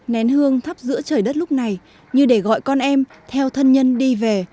nén hương thắp giữa trời đất lúc này như để gọi con em theo thân nhân đi về